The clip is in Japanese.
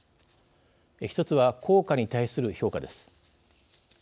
一つは効果に対する評価です。